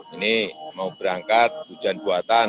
ini mau berangkat hujan buatan